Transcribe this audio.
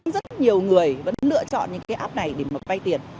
rất nhiều người vẫn lựa chọn những cái app này để mà vay tiền